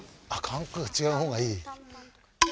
間隔が違うほうがいい？